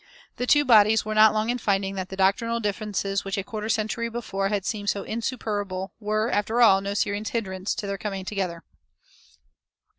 The two bodies were not long in finding that the doctrinal differences which a quarter century before had seemed so insuperable were, after all, no serious hindrance to their coming together.